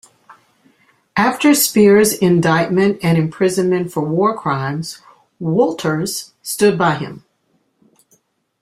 After Speer's indictment and imprisonment for war crimes, Wolters stood by him.